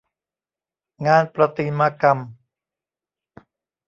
งานประติมากรรม